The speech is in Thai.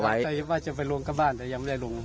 ใช่ครับใส่ว่าจะไปลุงกับบ้านแต่ยังไม่ได้ลุง